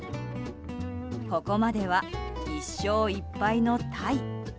ここまでは１勝１敗のタイ。